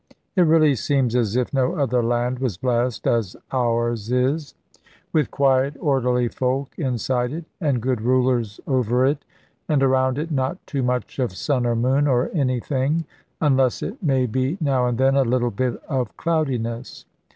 It really seems as if no other land was blest as ours is, with quiet orderly folk inside it, and good rulers over it, and around it not too much of sun or moon, or anything, unless it may be, now and then, a little bit of cloudiness.